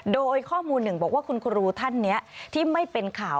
โดยข้อมูลหนึ่งบอกว่าคุณครูท่านนี้ที่ไม่เป็นข่าว